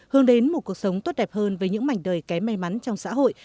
hướng đến một cuộc sống tốt đẹp hơn với những mảnh đời kém may mắn trong xã hội